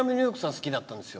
好きだったんですよ。